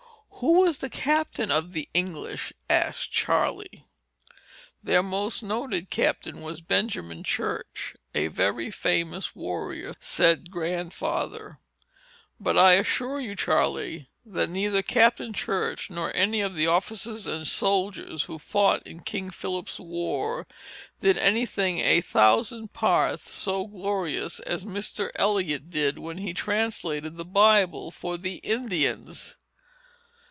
"Who was the captain of the English?" asked Charley. "Their most noted captain was Benjamin Church,—a very famous warrior," said Grandfather. "But I assure you, Charley, that neither Captain Church, nor any of the officers and soldiers who fought in King Philip's war, did any thing a thousandth part so glorious, as Mr. Eliot did, when he translated the Bible for the Indians."